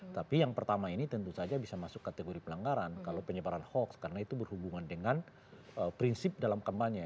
tapi yang pertama ini tentu saja bisa masuk kategori pelanggaran kalau penyebaran hoax karena itu berhubungan dengan prinsip dalam kampanye